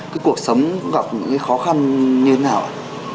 cứ cuộc sống cũng gặp những khó khăn như thế nào ạ